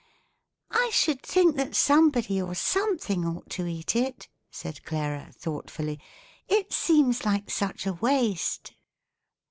"I should think that somebody or something ought to eat it," said Clara, thoughtfully; "it seems like such a waste."